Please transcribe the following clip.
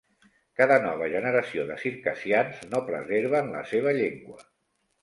Cada nova generació de circassians no preserven la seva llengua.